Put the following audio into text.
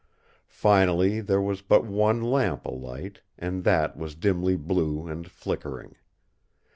Finally there was but one lamp alight, and that was dimly blue and flickering.